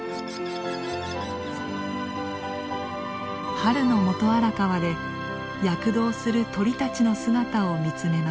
春の元荒川で躍動する鳥たちの姿を見つめます。